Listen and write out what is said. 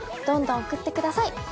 どんどん送ってください。